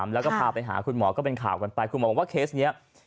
แล้วก็พาไปหาคุณหมอก็เป็นข่าวกันไปคุณหมอบอกว่าเคสนี้